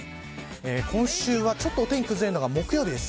今週は、ちょっとお天気が崩れるのが木曜日です。